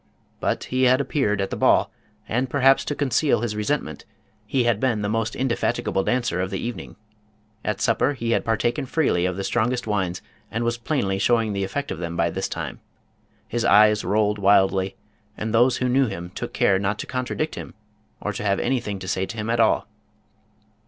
But he had appeared at the ball, and, perhaps to conceal his resent ment, he had been the most indefatigable dancer of the evening. At supper he had partaken freely of the strong est wines, and was plainly snowing the effect of them by this time. His eyes rolled wildly, and those who knew him took care not to contradict him, or to have anything to say to him at all.